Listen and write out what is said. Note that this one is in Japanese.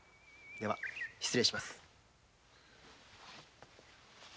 では失礼します。